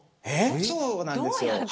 そうなんですよ。